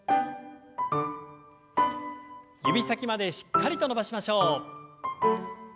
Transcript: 指先までしっかりと伸ばしましょう。